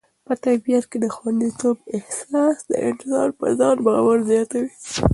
په طبیعت کې د خوندیتوب احساس د انسان په ځان باور زیاتوي.